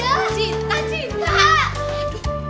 masak aja sendiri